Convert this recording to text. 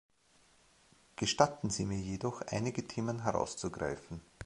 Gestatten Sie mir jedoch, einige Themen herauszugreifen.